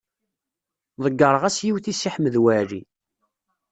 Ḍeyyreɣ-as yiwet i Si Ḥmed Waɛli.